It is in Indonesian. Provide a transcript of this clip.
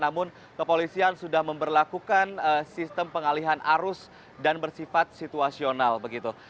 namun kepolisian sudah memperlakukan sistem pengalihan arus dan bersifat situasional begitu